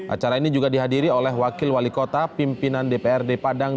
acara ini juga dihadiri oleh wakil wali kota pimpinan dprd padang